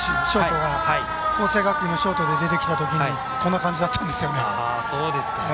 ショートが、佼成学園のショートで出てきたときこんな感じだったんですよね。